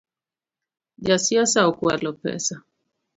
Ja siasa okwalo pesa.